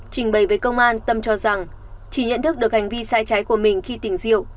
trình bày với công an tâm cho rằng chỉ nhận thức được hành vi sai trái của mình khi tỉnh rượu